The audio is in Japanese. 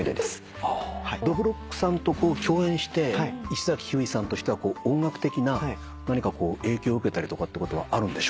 どぶろっくさんと共演して石崎ひゅーいさんとしては音楽的な何か影響受けたりとかってことはあるんでしょうか？